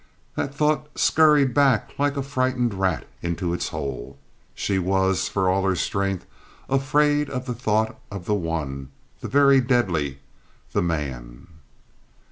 That thought scurried back like a frightened rat into its hole. She was, for all her strength, afraid of the thought of the one—the very deadly—the man.